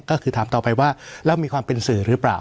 ก็คือถามต่อไปว่าเรามีความเป็นสื่อหรือเปล่า